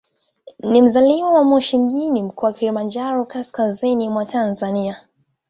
Ni mzaliwa wa Moshi mjini, Mkoa wa Kilimanjaro, kaskazini mwa Tanzania.